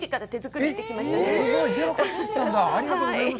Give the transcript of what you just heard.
ありがとうございます。